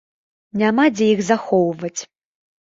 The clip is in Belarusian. Няма дзе іх захоўваць.